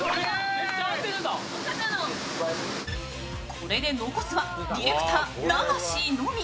これで残すはディレクター・永椎のみ。